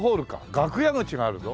楽屋口があるぞ。